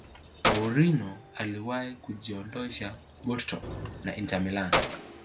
mourinho aliwahi kujiondosha porto na inter milan